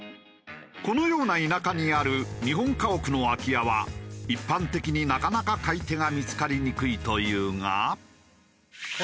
このような田舎にある日本家屋の空き家は一般的になかなか買い手が見付かりにくいというが。